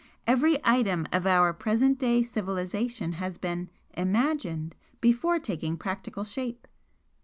Every item of our present day civilisation has been 'imagined' before taking practical shape.